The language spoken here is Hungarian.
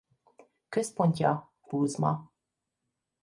Központja Kuzma.